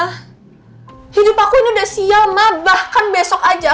hidup aku ini udah sial ma bahkan besok aja aku bisa